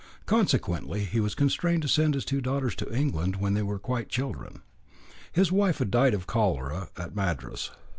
Consequently he was constrained to send his two daughters to England when they were quite children. His wife had died of cholera at Madras.